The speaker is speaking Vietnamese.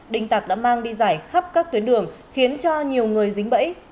đình tạc đã mang đi giải khắp các tuyến đường khiến cho nhiều người dính bẫy